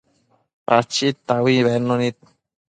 Pachid taui bednu nid